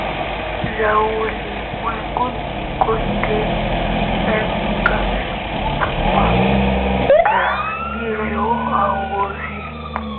za ulimwenguni kote km makadirio ya uchafuzi ya